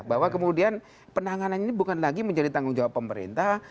bahwa kemudian penanganan ini bukan lagi menjadi tanggung jawab pemerintah